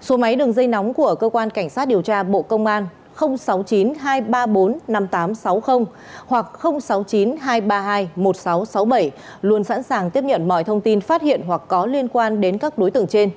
số máy đường dây nóng của cơ quan cảnh sát điều tra bộ công an sáu mươi chín hai trăm ba mươi bốn năm nghìn tám trăm sáu mươi hoặc sáu mươi chín hai trăm ba mươi hai một nghìn sáu trăm sáu mươi bảy luôn sẵn sàng tiếp nhận mọi thông tin phát hiện hoặc có liên quan đến các đối tượng trên